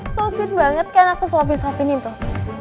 so sweet banget kan aku suapin suapinin tuh